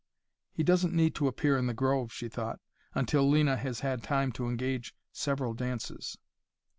"He doesn't need to appear in the grove," she thought, "until Lena has had time to engage several dances."